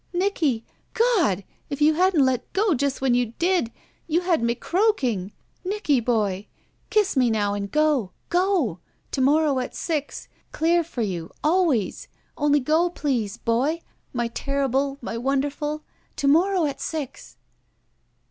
Nicky. God ! if you hadn't let go just when you did. You had me croaking. Nicky boy — kiss me now and go! Go! To morrow at six — dear for you — always — only go — please, boy — my terrible — my wonderfuL To mor row at six."